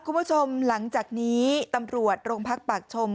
คุณผู้ชมหลังจากนี้ตำรวจโรงพักปากชม